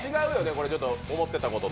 これちょっと思ってたことと。